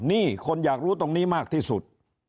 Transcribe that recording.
นี่คนอยากรู้ตรงนี้มากที่สุด